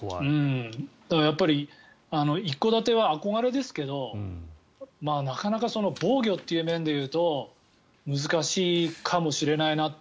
だから一戸建ては憧れですけどなかなか防御という面でいうと難しいかもしれないなって